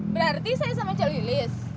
berarti saya sama cik lilis